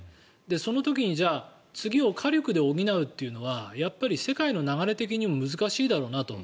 その時にじゃあ次を火力で補うというのはやっぱり世界の流れ的にも難しいだろうなと。